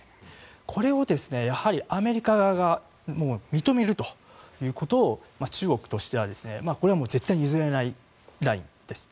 これをアメリカ側が認めるということを中国としては、これは絶対に譲れないラインです。